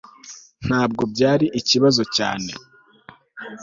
ntabwo byari ikibazo cyane